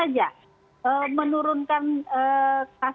menurunkan kasus covid sembilan belas itu bukan sepenuhnya menjadi tanggung jawab